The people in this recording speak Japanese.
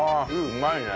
うまいね。